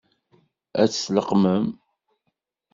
Ad tt-tleqqmem?